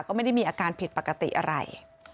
ก็ไม่ได้มีอาการผิดปกติอะไร